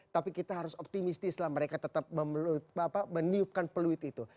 tapi kita harus optimistis lah mereka tetap meniupkan peluit itu